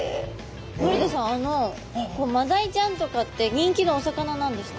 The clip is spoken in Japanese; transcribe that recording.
森田さんマダイちゃんとかって人気のお魚なんですか？